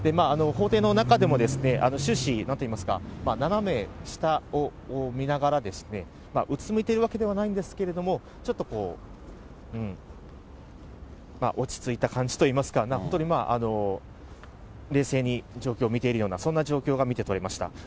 法廷の中でも終始、なんといいますか、斜め下を見ながらですね、うつむいているわけではないんですけれども、ちょっと落ち着いた感じといいますか、本当に冷静に状況を見ているような、そんな状況が見てとれました。